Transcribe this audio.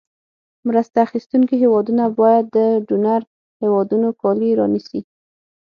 مرسته اخیستونکې هېوادونو باید د ډونر هېوادونو کالي رانیسي.